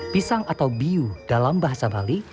pisang atau biu dalam bahasa bali